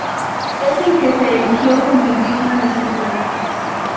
Es el que se eligió como idioma nacional.